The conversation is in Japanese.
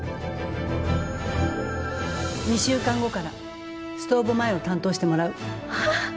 ２週間後からストーブ前を担当してもらう。